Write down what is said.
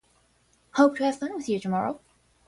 Hope to have fun with you tomorrow!